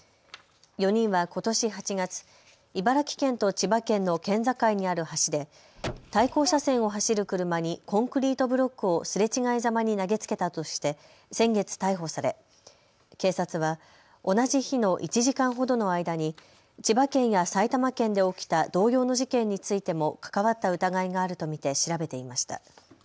４人はことし８月、茨城県と千葉県の県境にある橋で対向車線を走る車にコンクリートブロックをすれ違いざまに投げつけたとして先月、逮捕され警察は同じ日の１時間ほどの間に千葉県や埼玉県で起きた同様の事件についても関わった疑いがあると見て調べていました。